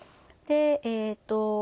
でえっと